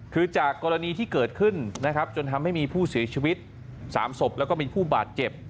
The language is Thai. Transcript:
คือจากกรณีที่เกิดขึ้นนะครับจนทำให้มีผู้เสียชีวิต๓ศพแล้วก็มีผู้บาดเจ็บ